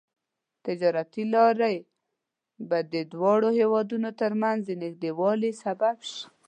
تجارتي لارې به د دواړو هېوادونو ترمنځ د نږدیوالي سبب شي.